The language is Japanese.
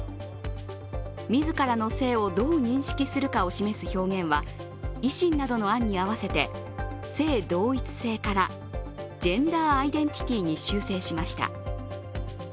自らの性をどう認識するかを示す表現は維新などの案に合わせて性同一性からジェンダーアイデンティティに修正しました。